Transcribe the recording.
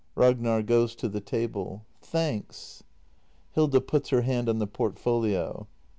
Ragnar. [Goes to the table.] Thanks. Hilda. [Puts her hand on the portfolio.